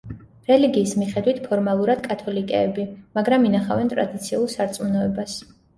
რელიგიის მიხედვით ფორმალურად კათოლიკეები, მაგრამ ინახავენ ტრადიციულ სარწმუნოებას.